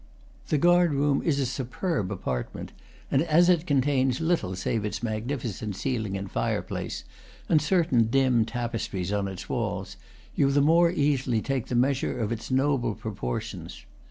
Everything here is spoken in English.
The guard room is a superb apartment; and as it contains little save its magnificent ceiling and fireplace and certain dim tapestries on its walls, you the more easily take the measure of its noble proportions.